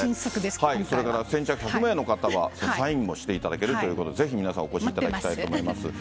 それから先着１００名の方はサインもしていただけるということで、ぜひ皆さんお越しいただき待ってます、サイン。